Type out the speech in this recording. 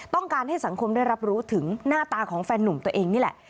ต้องการให้สังคมได้รับรู้ถึงหน้าตาของแฟนหนุ่มตัวเองนี่แหละ